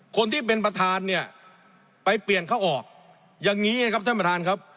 คนที่เป็นประธานเนี่ยไปเปลี่ยนเขาออกอย่างนี้ไงครับท่านประธานครับ